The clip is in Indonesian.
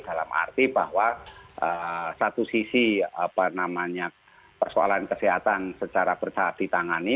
dalam arti bahwa satu sisi persoalan kesehatan secara bertahap ditangani